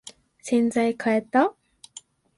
洗剤かえた？